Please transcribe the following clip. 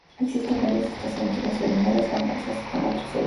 Existen varias estaciones gasolineras y bancos así como otros servicios.